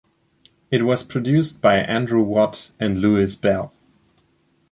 It was produced by Andrew Watt and Louis Bell.